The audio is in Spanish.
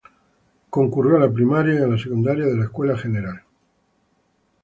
Concurrió a la primaria y a la secundaria en la Escuela "Gral.